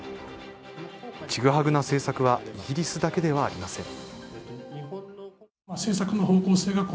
ちぐはぐな政策はイギリスだけではありません。